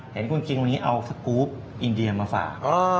เห็นคุณคิงวันนี้เอาสกรูปอินเดียมาฝาก